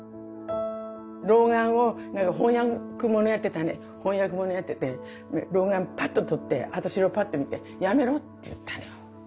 老眼を翻訳ものやってたんで翻訳ものやってて老眼パッと取って私をパッと見て「やめろ」って言ったのよ。